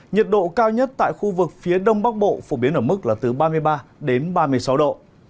nhiệt độ cao nhất tại khu vực phía đông bắc bộ phổ biến ở mức là từ ba mươi ba đến ba mươi sáu độ